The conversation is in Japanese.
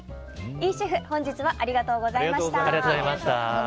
イシェフ本日はありがとうございました。